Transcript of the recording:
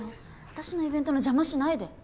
私のイベントの邪魔しないで。